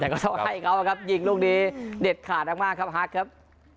แต่ก็ต้องให้เขาครับยิงลูกนี้เด็ดขาดมากครับฮักครับ